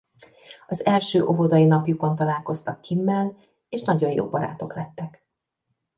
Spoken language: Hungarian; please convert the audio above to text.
Az első óvodai napjukon találkoztak Kimmel és nagyon jó barátok lettek.